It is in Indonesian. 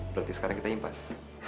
berarti sekarang kita impas